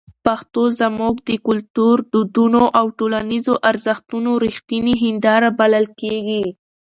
پښتو زموږ د کلتور، دودونو او ټولنیزو ارزښتونو رښتینې هنداره بلل کېږي.